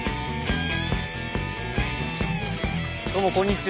どうもこんにちは。